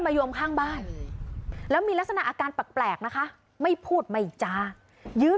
ไม่อยากให้แม่เป็นอะไรไปแล้วนอนร้องไห้แท่ทุกคืน